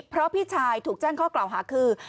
เพราะพี่ชายถูกแจ้งข้อกล่าวหาคือ